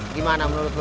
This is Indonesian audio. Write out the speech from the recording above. gimana menurut lo